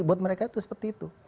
buat mereka itu seperti itu